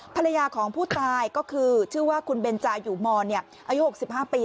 ภรรยาของผู้ตายก็คือชื่อว่าคุณเบนจาอยู่มอนอายุ๖๕ปี